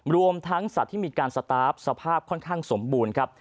รวมทั้งสัตว์ที่มีการสตาร์ฟสภาพค่อนข้างสมบูรณ์ครับ